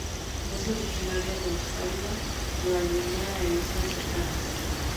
Es originaria de Australia, Nueva Guinea e islas cercanas.